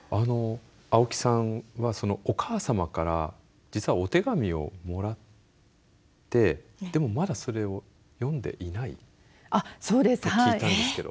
青木さんはお母様から実はお手紙をもらってでもまだそれを読んでいないと聞いたんですけど。